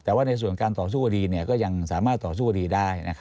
แต่ว่าในส่วนการต่อสู้คดีก็ยังสามารถต่อสู้คดีได้